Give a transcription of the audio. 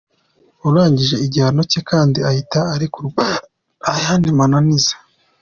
Urangije igihano cye kandi ahita arekurwa nta yandi mananiza.